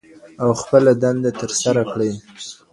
او خپله دنده تر سره کړئ.